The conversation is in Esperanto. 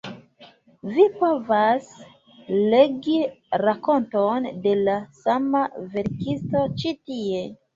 Vi povas legi rakonton de la sama verkisto ĉi tie.